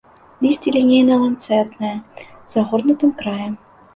Лісце лінейна-ланцэтнае, з загорнутым краем.